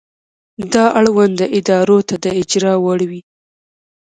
دا اړوندو ادارو ته د اجرا وړ وي.